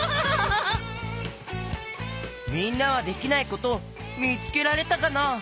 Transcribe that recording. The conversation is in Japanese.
みんなはできないことみつけられたかな？